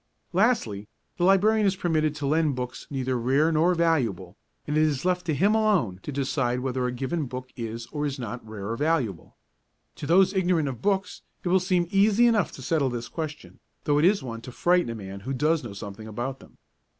Lastly, the Librarian is permitted to lend books neither rare nor valuable, and it is left to him alone to decide whether a given book is or is not rare or valuable. To those ignorant of books it will seem easy enough to settle this question, though it is one to frighten a man who does know something about them.